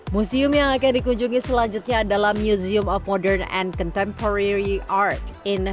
museum yang akan dikunjungi selanjutnya adalah museum of modern and contemporary art in nusantara alias museum macan di kebonjerug jakarta barat